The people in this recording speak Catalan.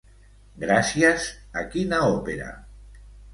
Gràcies a quina òpera?